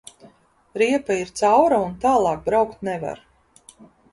Riepa ir caura un tālāk braukt nevar.